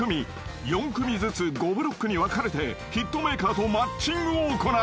［４組ずつ５ブロックに分かれてヒットメーカーとマッチングを行う］